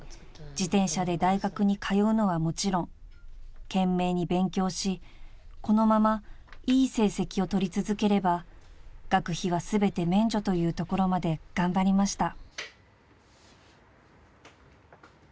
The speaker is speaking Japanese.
自転車で大学に通うのはもちろん懸命に勉強しこのままいい成績をとり続ければ学費は全て免除というところまで頑張りました］